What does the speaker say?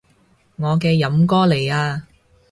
我嘅飲歌嚟啊